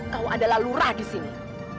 kau adalah lurah di sini